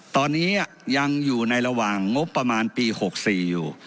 ตอนนี้ยังอยู่ในระหว่างงบประมาณปี๖๔อยู่